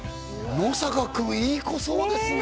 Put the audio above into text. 野坂君いい子そうですね